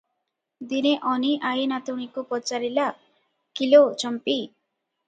ଦିନେ ଅନୀ ଆଈ ନାତୁଣୀକୁ ପଚାରିଲା, "କି ଲୋ ଚମ୍ପି!